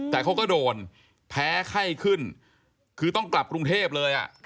แต่เขาก็โดนแพ้ไข้ขึ้นคือต้องกลับกรุงเทพเลย